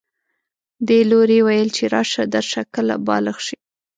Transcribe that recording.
دې لوري ویل چې راشه درشه کله بالغ شي